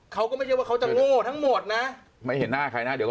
เขาก็ไม่ใช่ว่าเขาจะโง่ทั้งหมดนะไม่เห็นหน้าใครนะเดี๋ยว